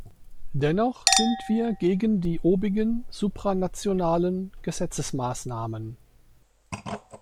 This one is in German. Dennoch sind wir gegen die obigen supranationalen Gesetzesmaßnahmen.